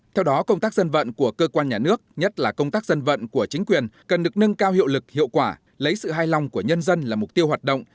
theo đó công tác dân vận của cơ quan nhà nước nhất là công tác dân vận của chính quyền cần được nâng cao hiệu lực hiệu quả lấy sự hài lòng của nhân dân là mục tiêu hoạt động